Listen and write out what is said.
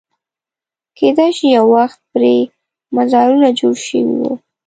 کېدای شي یو وخت پرې مزارونه جوړ شوي وو.